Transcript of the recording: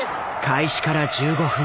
開始から１５分。